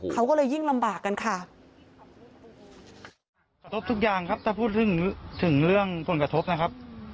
เขาก็เลยยิ่งลำบากกันค่ะ